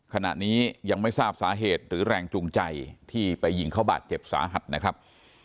ขณะนี้ยังไม่ทราบสาเหตุหรือแรงจูงใจที่ไปยิงเขาบาดเจ็บสาหัสนะครับ